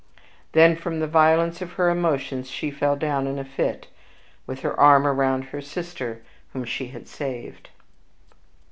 Then, from the violence of her emotions, she fell down in a fit, with her arm around the sister whom she had saved.